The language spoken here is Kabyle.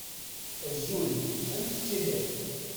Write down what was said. Azul, amek tettiliḍ?